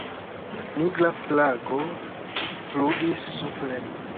Nigra flago flugis supren.